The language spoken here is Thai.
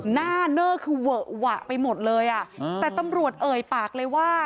หน้าเนอร์คือเวอะหวะไปหมดเลยอ่ะแต่ตำรวจเอ่ยปากเลยว่า